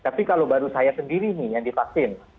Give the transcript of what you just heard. tapi kalau baru saya sendiri nih yang divaksin